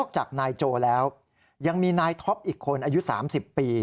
จากนายโจแล้วยังมีนายท็อปอีกคนอายุ๓๐ปี